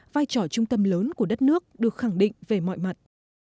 vai trò trung tâm lớn của đất nước được khẳng định về mọi mặt